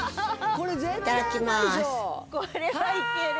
いただきます。